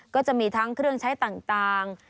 ก็จะมีทั้งเครื่องใช้ต่าง